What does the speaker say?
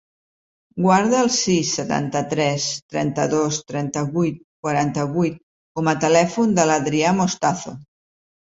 Guarda el sis, setanta-tres, trenta-dos, trenta-vuit, quaranta-vuit com a telèfon de l'Adrià Mostazo.